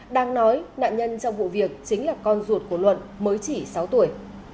đang nói nạn nhân trong vụ việc chính là con ruột của luận mới chỉ sáu tuổi